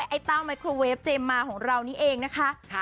ไอ้เต้าไมโครเวฟเจมส์มาของเรานี่เองนะคะ